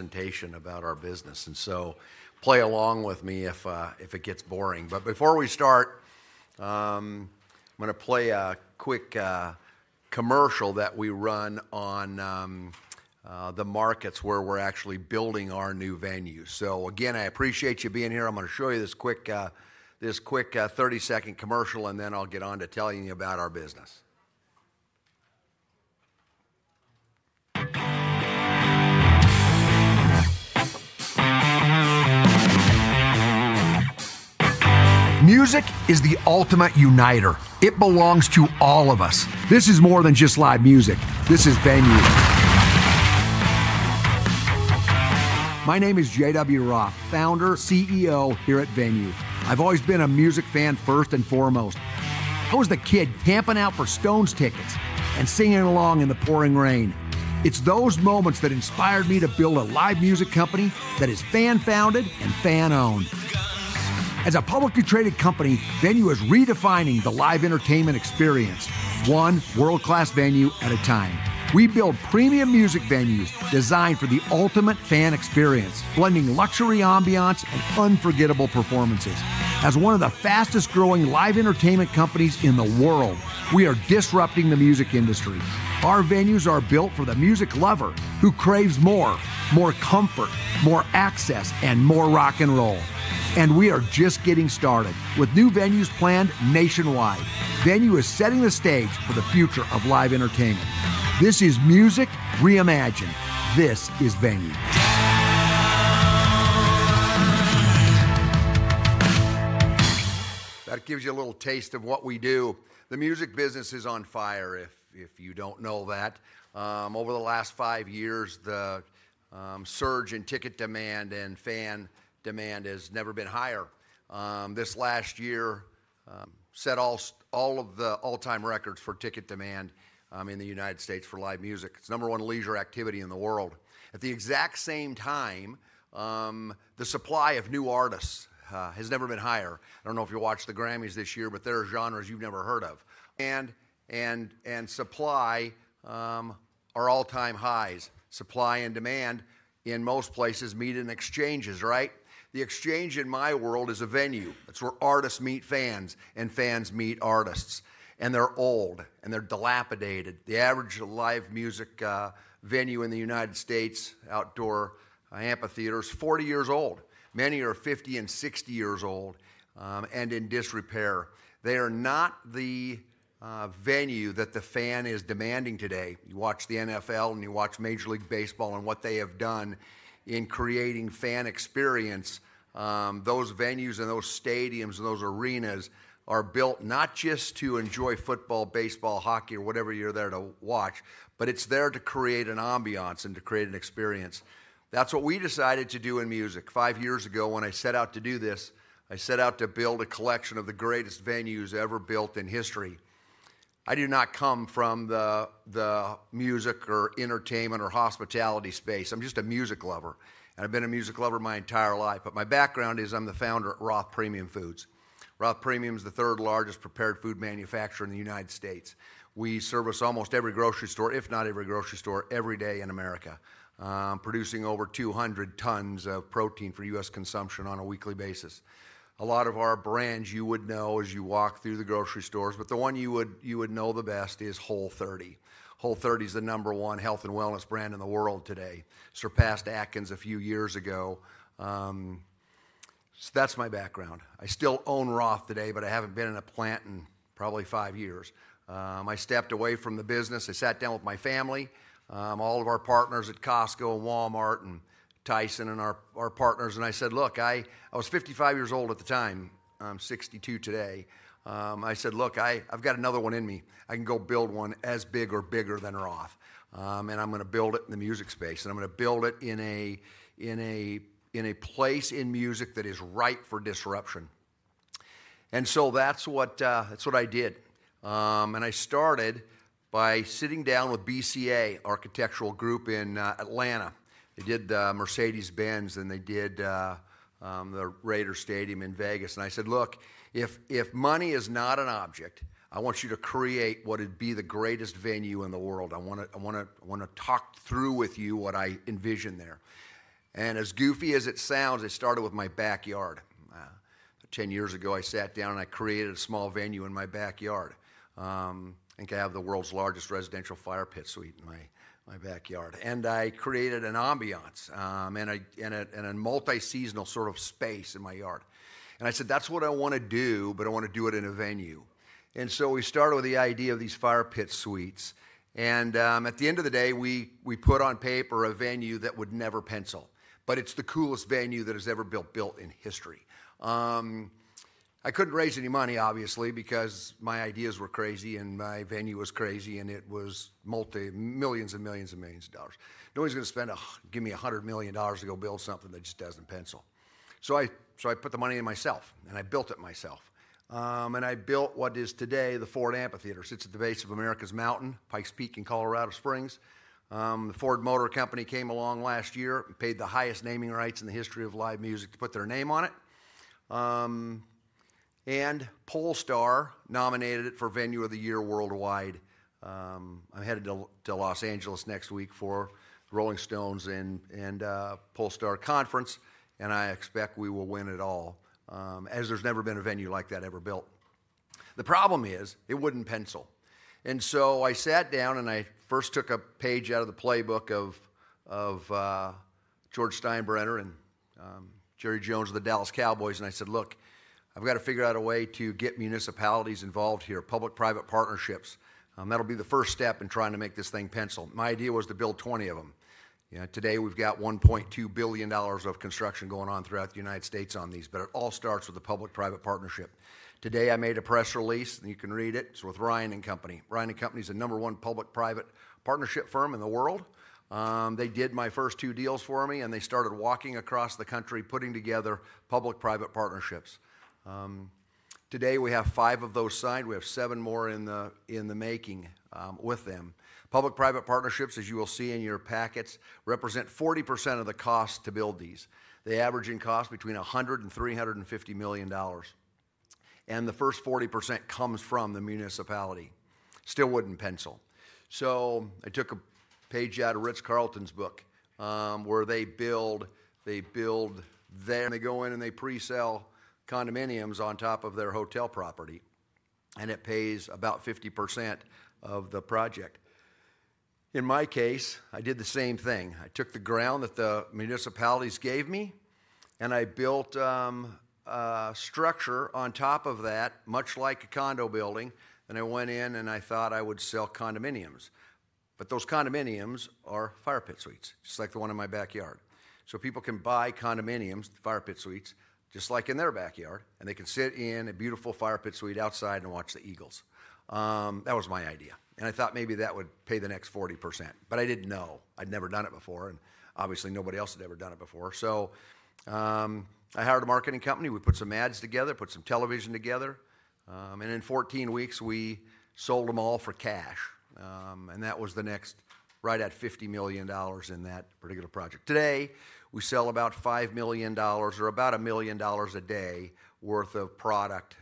Presentation about our business. Play along with me if it gets boring. Before we start, I'm going to play a quick commercial that we run in the markets where we're actually building our new venue. I appreciate you being here. I'm going to show you this quick 30-second commercial, and then I'll get on to telling you about our business. Music is the ultimate uniter. It belongs to all of us. This is more than just live music. This is Venu. My name is JW Roth, Founder, CEO here at Venu. I've always been a music fan first and foremost. I was the kid camping out for Stones tickets and singing along in the pouring rain. It's those moments that inspired me to build a live music company that is fan-founded and fan-owned. As a publicly traded company, Venu is redefining the live entertainment experience, one world-class venue at a time. We build premium music venues designed for the ultimate fan experience, blending luxury ambiance and unforgettable performances. As one of the fastest-growing live entertainment companies in the world, we are disrupting the music industry. Our venues are built for the music lover who craves more, more comfort, more access, and more rock and roll. We are just getting started with new venues planned nationwide. Venu is setting the stage for the future of live entertainment. This is Music Reimagined. This is Venu. That gives you a little taste of what we do. The music business is on fire, if you don't know that. Over the last five years, the surge in ticket demand and fan demand has never been higher. This last year set all of the all-time records for ticket demand in the United States for live music. It's the number one leisure activity in the world. At the exact same time, the supply of new artists has never been higher. I don't know if you watched the Grammys this year, but there are genres you've never heard of. And supply are all-time highs. Supply and demand in most places meet in exchanges, right? The exchange in my world is a venue. It's where artists meet fans and fans meet artists. They're old and they're dilapidated. The average live music venue in the United States, outdoor amphitheaters, is 40 years old. Many are 50 and 60 years old and in disrepair. They are not the venue that the fan is demanding today. You watch the NFL and you watch Major League Baseball and what they have done in creating fan experience. Those venues and those stadiums and those arenas are built not just to enjoy football, baseball, hockey, or whatever you're there to watch, but it's there to create an ambiance and to create an experience. That is what we decided to do in music. Five years ago, when I set out to do this, I set out to build a collection of the greatest venues ever built in history. I do not come from the music or entertainment or hospitality space. I'm just a music lover. And I've been a music lover my entire life. My background is I'm the founder at Roth Premium Foods. Roth Premium is the third largest prepared food manufacturer in the United States. We service almost every grocery store, if not every grocery store, every day in America, producing over 200 tons of protein for U.S. consumption on a weekly basis. A lot of our brands you would know as you walk through the grocery stores, but the one you would know the best is Whole30. Whole30 is the number one health and wellness brand in the world today, surpassed Atkins a few years ago. That's my background. I still own Roth today, but I haven't been in a plant in probably five years. I stepped away from the business. I sat down with my family, all of our partners at Costco and Walmart and Tyson and our partners, and I said, "Look, I was 55 years old at the time. I'm 62 today. I said, "Look, I've got another one in me. I can go build one as big or bigger than Roth. I'm going to build it in the music space. I'm going to build it in a place in music that is ripe for disruption." That is what I did. I started by sitting down with BCA Architectural Group in Atlanta. They did the Mercedes-Benz, and they did the Raider Stadium in Vegas. I said, "Look, if money is not an object, I want you to create what would be the greatest venue in the world. I want to talk through with you what I envision there." As goofy as it sounds, I started with my backyard. 10 years ago, I sat down and I created a small venue in my backyard. I think I have the world's largest residential fire pit suite in my backyard. I created an ambiance and a multi-seasonal sort of space in my yard. I said, "That's what I want to do, but I want to do it in a venue." We started with the idea of these fire pit suites. At the end of the day, we put on paper a venue that would never pencil. It is the coolest venue that has ever been built in history. I could not raise any money, obviously, because my ideas were crazy and my venue was crazy, and it was millions and millions and millions of dollars. Nobody is going to give me $100 million to go build something that just does not pencil. I put the money in myself, and I built it myself. I built what is today the Ford Amphitheater. It sits at the base of America's Mountain, Pikes Peak in Colorado Springs. The Ford Motor Company came along last year, paid the highest naming rights in the history of live music to put their name on it. Pollstar nominated it for Venue of the Year worldwide. I'm headed to Los Angeles next week for Rolling Stones and Pollstar Conference, and I expect we will win it all, as there's never been a venue like that ever built. The problem is it wouldn't pencil. I sat down and I first took a page out of the playbook of George Steinbrenner and Jerry Jones of the Dallas Cowboys, and I said, "Look, I've got to figure out a way to get municipalities involved here, public-private partnerships. That'll be the first step in trying to make this thing pencil." My idea was to build 20 of them. Today, we've got $1.2 billion of construction going on throughout the United States on these, but it all starts with the public-private partnership. Today, I made a press release, and you can read it. It's with Ryan and Company. Ryan and Company is the number one public-private partnership firm in the world. They did my first two deals for me, and they started walking across the country putting together public-private partnerships. Today, we have five of those signed. We have seven more in the making with them. Public-private partnerships, as you will see in your packets, represent 40% of the cost to build these. They average in cost between $100 million and $350 million. The first 40% comes from the municipality. Still wouldn't pencil. I took a page out of Ritz-Carlton's book where they build their. They go in and they pre-sell condominiums on top of their hotel property, and it pays about 50% of the project. In my case, I did the same thing. I took the ground that the municipalities gave me, and I built a structure on top of that, much like a condo building. I went in and I thought I would sell condominiums. Those condominiums are fire pit suites, just like the one in my backyard. People can buy condominiums, fire pit suites, just like in their backyard, and they can sit in a beautiful fire pit suite outside and watch the Eagles. That was my idea. I thought maybe that would pay the next 40%. I did not know. I had never done it before, and obviously, nobody else had ever done it before. I hired a marketing company. We put some ads together, put some television together. In 14 weeks, we sold them all for cash. That was the next right at $50 million in that particular project. Today, we sell about $5 million, or about $1 million a day, worth of product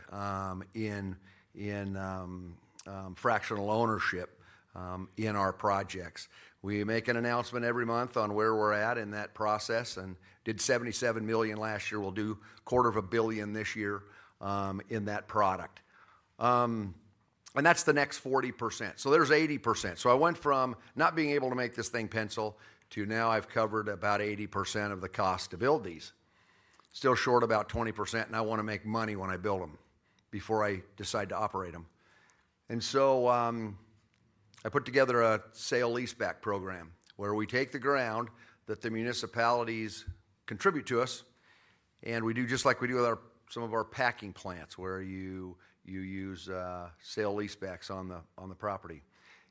in fractional ownership in our projects. We make an announcement every month on where we're at in that process and did $77 million last year. We'll do a quarter of a billion this year in that product. That's the next 40%. There's 80%. I went from not being able to make this thing pencil to now I've covered about 80% of the cost to build these. Still short about 20%, and I want to make money when I build them before I decide to operate them. I put together a sale-leaseback program where we take the ground that the municipalities contribute to us, and we do just like we do with some of our packing plants where you use sale-leasebacks on the property.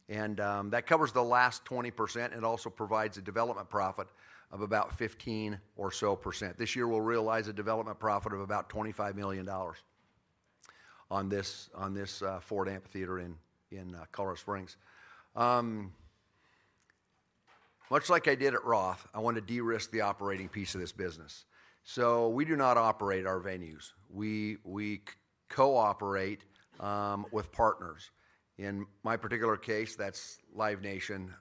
That covers the last 20%. It also provides a development profit of about 15% or so. This year, we'll realize a development profit of about $25 million on this Ford Amphitheater in Colorado Springs. Much like I did at Roth, I want to de-risk the operating piece of this business. We do not operate our venues. We cooperate with partners. In my particular case, that's Live Nation,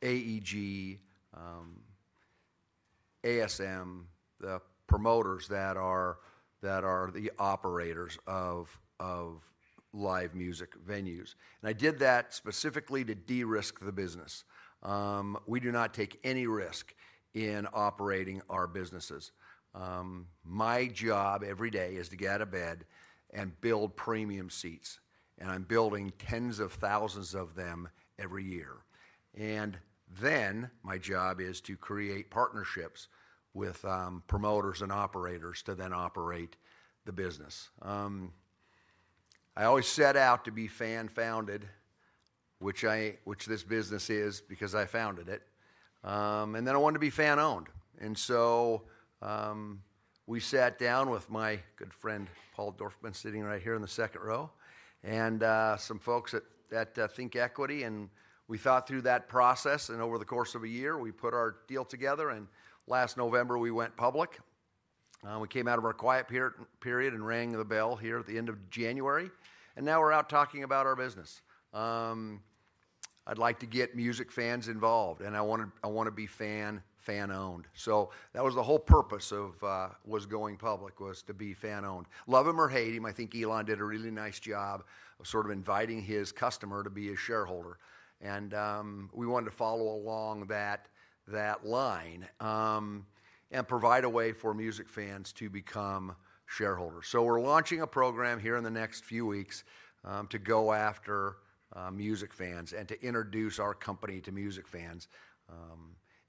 AEG, ASM, the promoters that are the operators of live music venues. I did that specifically to de-risk the business. We do not take any risk in operating our businesses. My job every day is to get out of bed and build premium seats. I'm building tens of thousands of them every year. My job is to create partnerships with promoters and operators to then operate the business. I always set out to be fan-founded, which this business is because I founded it. I wanted to be fan-owned. We sat down with my good friend Paul Tolsma, sitting right here in the second row, and some folks at ThinkEquity. We thought through that process, and over the course of a year, we put our deal together. Last November, we went public. We came out of our quiet period and rang the bell here at the end of January. Now we're out talking about our business. I'd like to get music fans involved, and I want to be fan-owned. That was the whole purpose of going public, was to be fan-owned. Love 'em or hate 'em, I think Elon did a really nice job of sort of inviting his customer to be a shareholder. We wanted to follow along that line and provide a way for music fans to become shareholders. We're launching a program here in the next few weeks to go after music fans and to introduce our company to music fans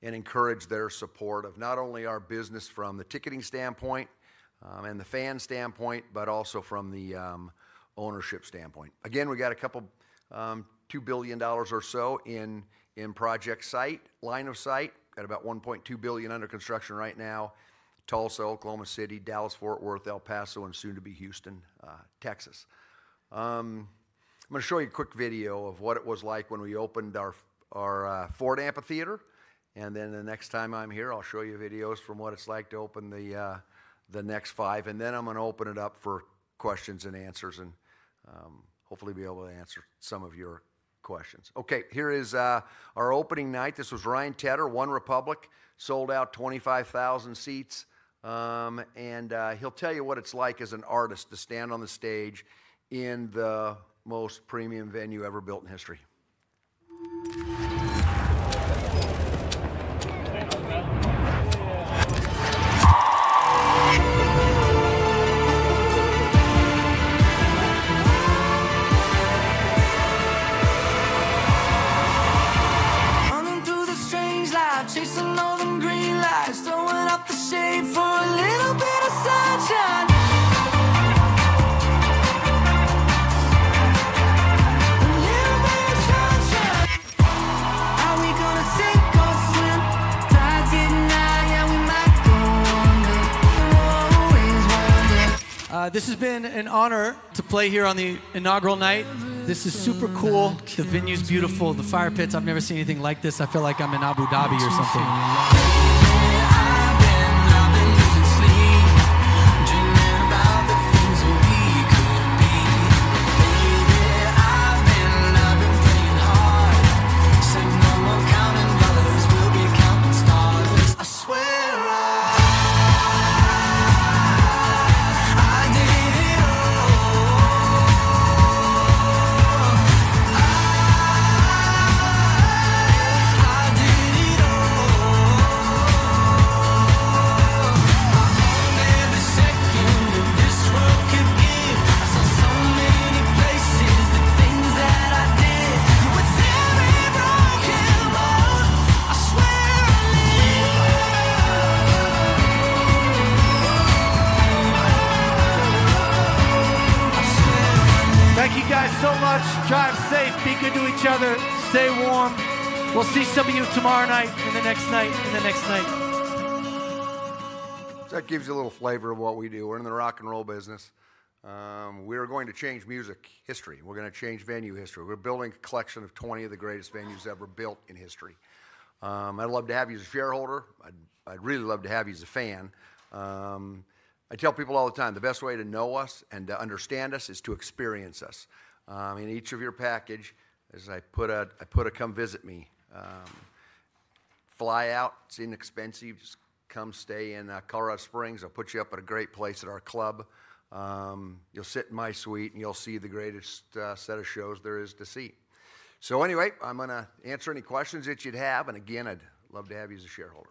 and encourage their support of not only our business from the ticketing standpoint and the fan standpoint, but also from the ownership standpoint. Again, we got a couple of $2 billion or so in project site, line of sight. Got about $1.2 billion under construction right now: Tulsa, Oklahoma City, Dallas, Fort Worth, El Paso, and soon to be Houston, Texas. I'm going to show you a quick video of what it was like when we opened our Ford Amphitheater. The next time I'm here, I'll show you videos from what it's like to open the next five. I'm going to open it up for questions and answers and hopefully be able to answer some of your questions. Okay, here is our opening night. This was Ryan Tedder, OneRepublic, sold out 25,000 seats. He'll tell you what it's like as an artist to stand on the stage in the most premium venue ever built in history. Running through the strange light, chasing all the green lights, throwing up the shade for a little bit of sunshine. A little bit of sunshine. Are we going to sink or swim? Try to deny, yeah, we might go under. We will always wonder. This has been an honor to play here on the inaugural night. This is super cool. The venue's beautiful. The fire pits, I've never seen anything like this. I feel like I'm in Abu Dhabi or something. Baby, I've been up and losing sleep, dreaming about the things that we could be. Baby, I've been up and playing hard. Say no more counting dollars. We'll be counting stars. I swear I did it all. I did it all. I wonder the second that this world could give. I saw so many places, the things that I did. With every broken bone, I swear I live. I swear I live. Thank you guys so much. Drive safe, be good to each other, stay warm. We'll see some of you tomorrow night, and the next night, and the next night. That gives you a little flavor of what we do. We're in the rock and roll business. We are going to change music history. We are going to change venue history. We are building a collection of 20 of the greatest venues ever built in history. I'd love to have you as a shareholder. I'd really love to have you as a fan. I tell people all the time, the best way to know us and to understand us is to experience us. In each of your packages, I put a come visit me. Fly out, it's inexpensive. Just come stay in Colorado Springs. I'll put you up at a great place at our club. You'll sit in my suite, and you'll see the greatest set of shows there is to see. I am going to answer any questions that you'd have. Again, I'd love to have you as a shareholder.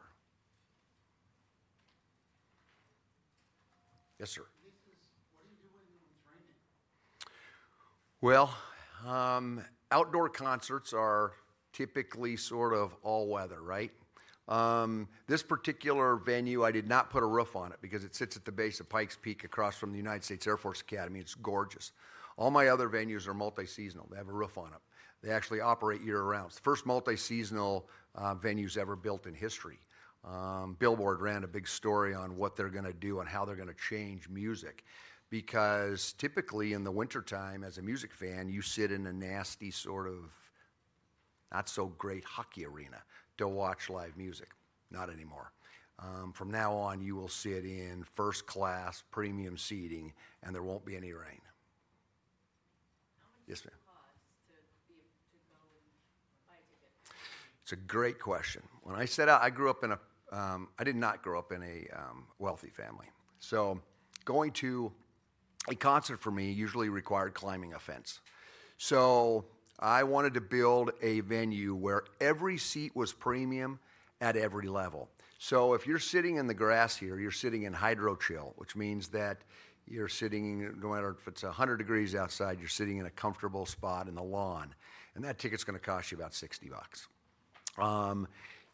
Yes, sir. What are you doing in training? Outdoor concerts are typically sort of all weather, right? This particular venue, I did not put a roof on it because it sits at the base of Pikes Peak across from the United States Air Force Academy. It's gorgeous. All my other venues are multi-seasonal. They have a roof on them. They actually operate year-round. It's the first multi-seasonal venues ever built in history. Billboard ran a big story on what they're going to do and how they're going to change music because typically in the wintertime, as a music fan, you sit in a nasty sort of not-so-great hockey arena to watch live music. Not anymore. From now on, you will sit in first-class premium seating, and there won't be any rain. Yes, ma'am. It's a great question. When I set out, I grew up in a—I did not grow up in a wealthy family. Going to a concert for me usually required climbing a fence. I wanted to build a venue where every seat was premium at every level. If you're sitting in the grass here, you're sitting in HydroChill, which means that you're sitting in—no matter if it's 100 degrees outside, you're sitting in a comfortable spot in the lawn. That ticket's going to cost you about $60.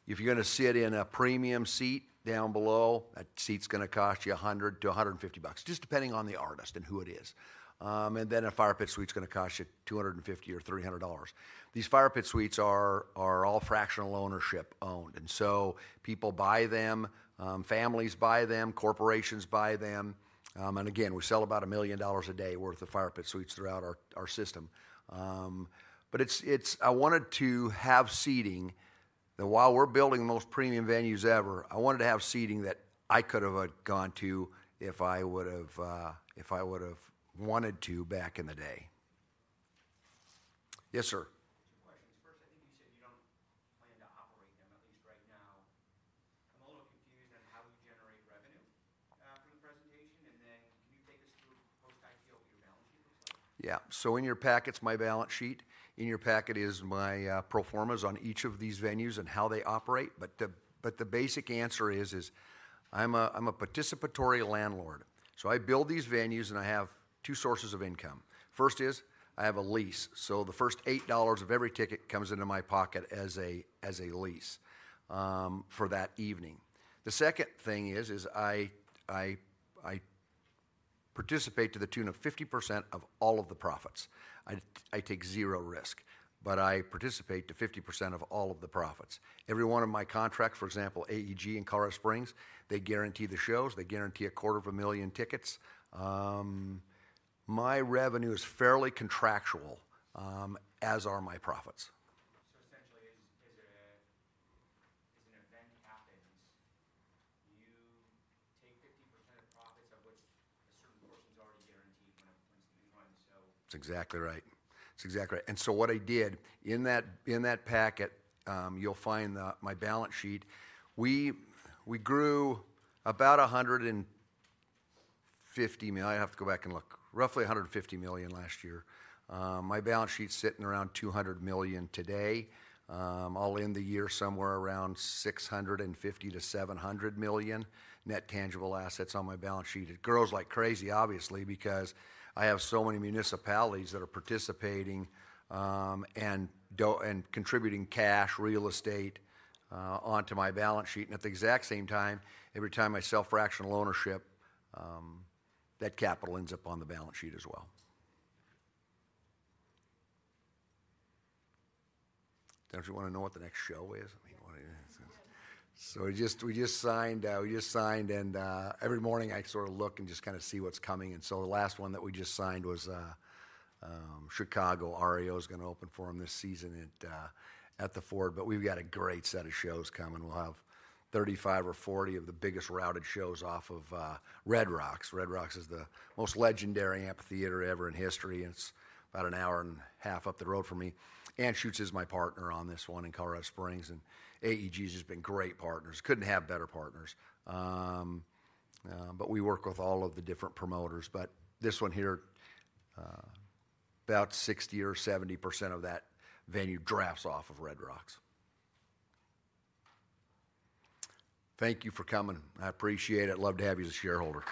If you're going to sit in a premium seat down below, that seat's going to cost you $100 to 150, just depending on the artist and who it is. A Fire Pit Suite's going to cost you $250 or $300. These Fire Pit Suites are all fractional ownership owned. People buy them, families buy them, corporations buy them. Again, we sell about $1 million a day worth of fire pit suites throughout our system. I wanted to have seating that, while we're building the most premium venues ever, I wanted to have seating that I could have gone to if I would have wanted to back in the day. Yes, sir. Two questions. First, I think you said you don't plan to operate them, at least right now. I'm a little confused on how you generate revenue from the presentation. Can you take us through post-IPO what your balance sheet looks like? Yeah. In your packet is my balance sheet. In your packet is my performance on each of these venues and how they operate. The basic answer is I'm a participatory landlord. I build these venues, and I have two sources of income. First is I have a lease. The first $8 of every ticket comes into my pocket as a lease for that evening. The second thing is I participate to the tune of 50% of all of the profits. I take zero risk, but I participate to 50% of all of the profits. Every one of my contracts, for example, AEG in Colorado Springs, they guarantee the shows. They guarantee a quarter of a million tickets. My revenue is fairly contractual, as are my profits. Essentially, as an event happens, you take 50% of the profits, of which a certain portion is already guaranteed when it's in the run. That's exactly right. That's exactly right. What I did in that packet, you'll find my balance sheet. We grew about $150 million—I have to go back and look—roughly $150 million last year. My balance sheet's sitting around $200 million today. I'll end the year somewhere around $650 to 700 million net tangible assets on my balance sheet. It grows like crazy, obviously, because I have so many municipalities that are participating and contributing cash, real estate onto my balance sheet. At the exact same time, every time I sell fractional ownership, that capital ends up on the balance sheet as well. Don't you want to know what the next show is? I mean, what is this? We just signed. We just signed. Every morning, I sort of look and just kind of see what's coming. The last one that we just signed was Chicago. REO is going to open for them this season at the Ford. We've got a great set of shows coming. We'll have 35 or 40 of the biggest routed shows off of Red Rocks. Red Rocks is the most legendary amphitheater ever in history. It's about an hour and a half up the road from me. Anschutz is my partner on this one in Colorado Springs. AEG has just been great partners. Couldn't have better partners. We work with all of the different promoters. This one here, about 60% or 70% of that venue drafts off of Red Rocks. Thank you for coming. I appreciate it. I'd love to have you as a shareholder.